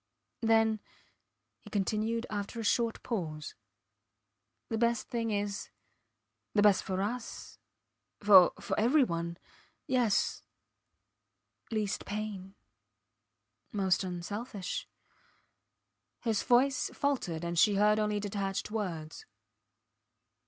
Then, he continued after a short pause, the best thing is ... the best for us ... for every one. ... Yes ... least pain most unselfish. ... His voice faltered, and she heard only detached words.